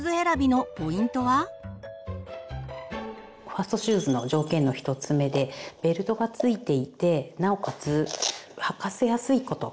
ファーストシューズの条件の１つ目でベルトがついていてなおかつ履かせやすいこと。